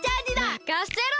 まかせろ！